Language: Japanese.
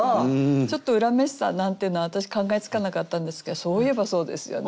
ちょっと恨めしさなんていうのは私考えつかなかったんですけどそういえばそうですよね。